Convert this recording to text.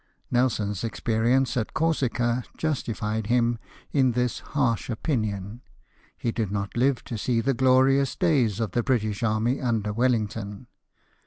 Nelson's experience at Corsica justified him in this harsh opinion — he did not live to see the glorious days of the British army under Wellington.